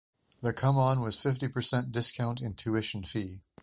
The come-on was fifty per cent discount in tuition fee.